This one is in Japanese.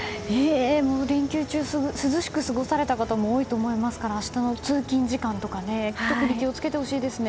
連休中、涼しく過ごされた方も多いと思いますから明日の通勤時間とか特に気を付けてほしいですね。